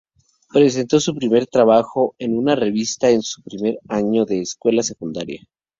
Presentó su primer trabajo en una revista en su primer año de escuela secundaria.